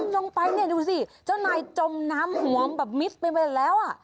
ลงไปนี่ดูสิเจ้านายจมน้ำหว่องแบบมิสมิสไปแล้ว